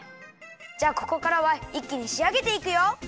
じゃあここからはいっきにしあげていくよ。